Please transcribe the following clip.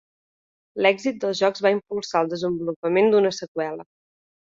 L'èxit dels jocs va impulsar el desenvolupament d'una seqüela.